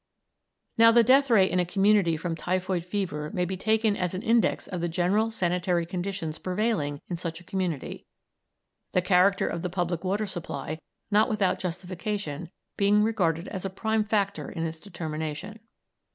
Now the death rate in a community from typhoid fever may be taken as an index of the general sanitary conditions prevailing in such a community, the character of the public water supply, not without justification, being regarded as a prime factor in its determination.